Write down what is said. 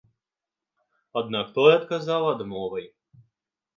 Аднак той адказаў адмовай.